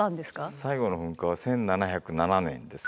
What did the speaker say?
最後の噴火は１７０７年です。